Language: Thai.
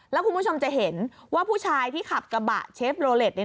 แล้วคุณผู้ชมจะเห็นว่าผู้ชายที่ขับกระบะเชฟโลเล็ต